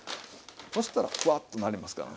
そしたらフワッとなりますからね。